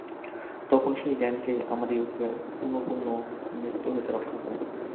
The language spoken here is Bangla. তখন সেই জ্ঞানই আমাদিগকে পুনঃপুন মৃত্যু হইতে রক্ষা করে।